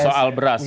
soal beras ya